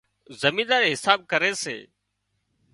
زمينۮار حساب ڪري سي